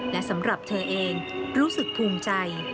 และสำหรับเธอเองรู้สึกภูมิใจ